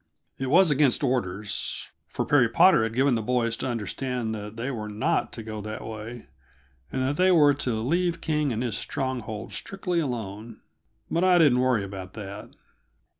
It was against orders, for Perry Potter had given the boys to understand that they were not to go that way, and that they were to leave King and his stronghold strictly alone; but I didn't worry about that.